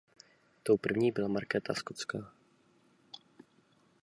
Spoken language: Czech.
Tou první byla Markéta Skotská.